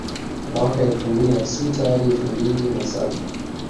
Mwaka elfu mbili na sita hadi elfu mbili na saba